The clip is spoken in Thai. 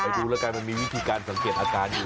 ดูแล้วกันมันมีวิธีการสังเกตอาการอยู่